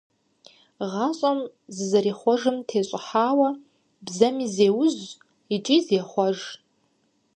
ГъащӀэм зэрызихъуэжым тещӀыхьауэ бзэми зеужь икӀи зехъуэж.